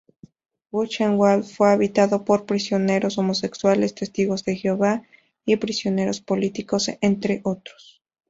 Buchenwald fue habitado por prisioneros, homosexuales, testigos de Jehová y prisioneros políticos, entre otros.